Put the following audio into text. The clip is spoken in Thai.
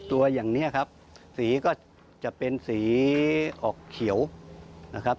ตัวอย่างนี้ครับสีก็จะเป็นสีออกเขียวนะครับ